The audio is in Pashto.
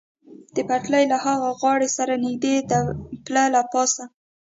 د پټلۍ له ها غاړې سره نږدې د پله له پاسه.